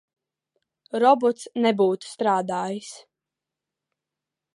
Robots nebūtu strādājis.